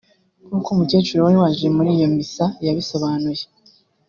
nk’uko umukecuru wari waje muri iyo misa yabisobanuye